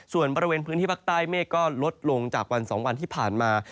ส่วนบริเวณพื้นที่ภาคใต้เมฆก็ลดลงจากวัน๒วันที่ผ่านมา